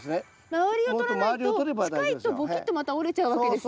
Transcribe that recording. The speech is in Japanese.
周りをとらないと近いとボキッてまた折れちゃうわけですね。